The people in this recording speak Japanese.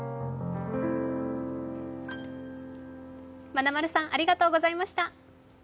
まなまるさん、ありがとうございました。